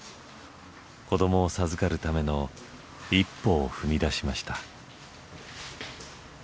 子どもを授かるための一歩を踏み出しました。